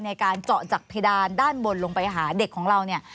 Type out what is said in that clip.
ในการเจาะจากเพดานด้านบนลงไปหาเด็กของเราเนี่ย